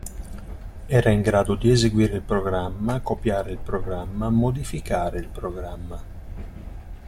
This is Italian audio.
Era in grado di eseguire il programma, copiare il programma, modificare il programma.